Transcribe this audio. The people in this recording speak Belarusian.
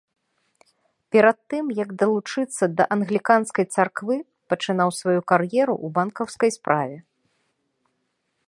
Перад тым, як далучыцца да англіканскай царквы, пачынаў сваю кар'еру ў банкаўскай справе.